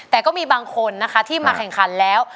แต่ก็มีบางคนนะคะที่มาแข่งขันแล้ว